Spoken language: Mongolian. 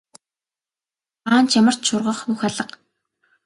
Хаана ч ямар ч шургах нүх алга.